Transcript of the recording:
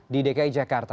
di dki jakarta